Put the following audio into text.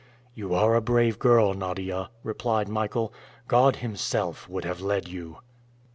"You are a brave girl, Nadia," replied Michael. "God Himself would have led you."